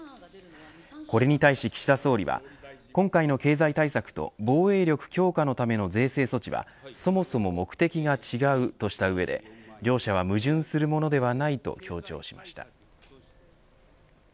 これに対し岸田総理は今回の経済対策と防衛力強化のための税制措置はそもそも目的が違うとした上で両者は矛盾するものではないと強調しました。